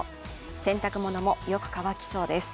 洗濯物もよく乾きそうです。